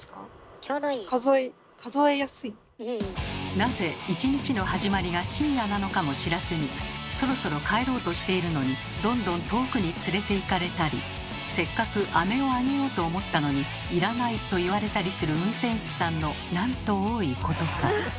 なぜ１日の始まりが深夜なのかも知らずにそろそろ帰ろうとしているのにどんどん遠くに連れていかれたりせっかくアメをあげようと思ったのに「要らない」と言われたりする運転手さんのなんと多いことか。